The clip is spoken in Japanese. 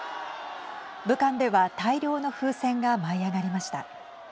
武漢では大量の風船が舞い上がりました。